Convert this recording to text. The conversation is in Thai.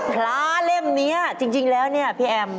พระเล่มนี้จริงแล้วเนี่ยพี่แอม